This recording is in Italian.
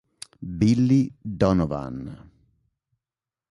Billy Donovan